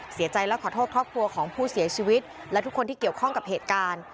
เสียใจและขอโทษครอบครัวของผู้เสียชีวิตและทุกคนที่เกี่ยวข้องกับเหตุการณ์